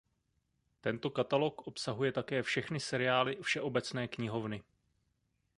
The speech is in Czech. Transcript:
Tento katalog obsahuje také všechny seriály Všeobecné knihovny.